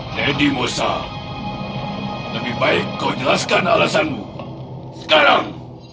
teddy mosa lebih baik kau jelaskan alasanmu sekarang